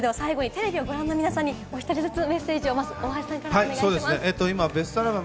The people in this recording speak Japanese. それでは最後にテレビをご覧の皆さんにおひとりずつメッセージを大橋さんからお願いします。